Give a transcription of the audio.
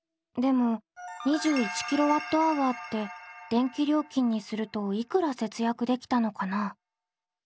でも２１ｋＷｈって電気料金にするといくら節約できたのかな？